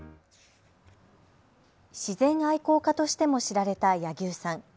自然愛好家としても知られた柳生さん。